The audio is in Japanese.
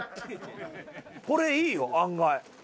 これいいよ案外。